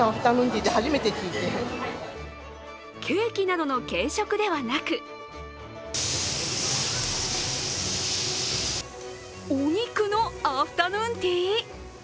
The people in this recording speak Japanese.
ケーキなどの軽食ではなくお肉のアフターヌーンティー？